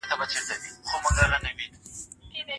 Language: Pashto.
مفسرین د قران په مانا کي اختلاف نه لري.